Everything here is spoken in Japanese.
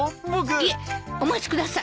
いえお待ちください。